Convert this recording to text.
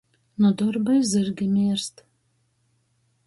Nu dorba i zyrgi mierst.